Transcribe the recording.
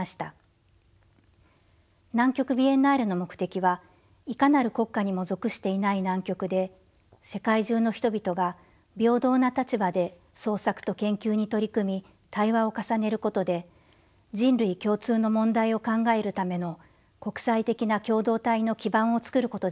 南極ビエンナーレの目的はいかなる国家にも属していない南極で世界中の人々が平等な立場で創作と研究に取り組み対話を重ねることで人類共通の問題を考えるための国際的な共同体の基盤を作ることでした。